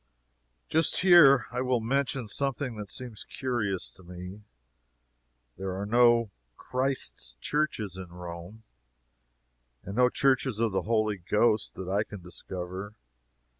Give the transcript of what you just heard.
Just here I will mention something that seems curious to me. There are no "Christ's Churches" in Rome, and no "Churches of the Holy Ghost," that I can discover.